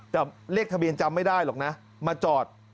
แต่เลขทะเบียนจำไม่ได้หรอกนะมาจอด